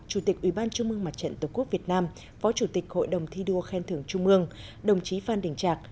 chủ tịch ubnd tổ quốc việt nam phó chủ tịch hội đồng thi đua khen thưởng trung mương đồng chí phan đình trạc